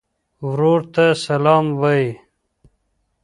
ورور ته سلام وایې.